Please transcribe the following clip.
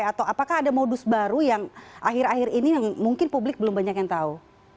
atau apakah ada modus baru yang akhir akhir ini yang mungkin publik belum banyak yang tahu